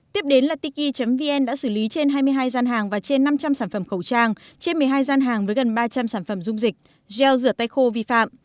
tiếp đến là tiki vn đã xử lý trên hai mươi hai gian hàng và trên năm trăm linh sản phẩm khẩu trang trên một mươi hai gian hàng với gần ba trăm linh sản phẩm dung dịch gel rửa tay khô vi phạm